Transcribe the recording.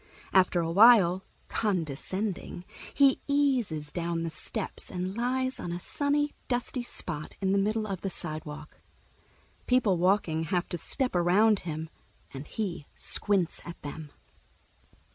After a while, condescending, he eases down the steps and lies on a sunny, dusty spot in the middle of the sidewalk. People walking have to step around him, and he squints at them.